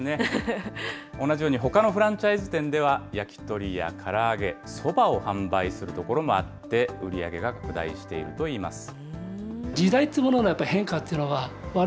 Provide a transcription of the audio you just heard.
同じようにほかのフランチャイズ店では、焼き鳥やから揚げ、そばを販売するところもあって、売り上げが拡大しているといいます。